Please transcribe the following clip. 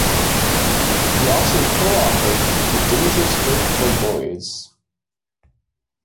He also co-authored "The Dangerous Book for Boys".